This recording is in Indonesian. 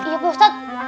iya pak ustadz